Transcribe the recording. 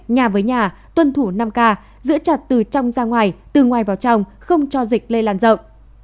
nhà với nhà tuân thủ năm k giữa chặt từ trong ra ngoài từ ngoài vào trong không cho dịch lây lan rộng